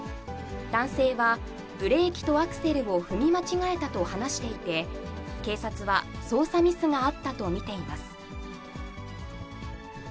男性はブレーキとアクセルを踏み間違えたと話していて、警察は操作ミスがあったと見ています。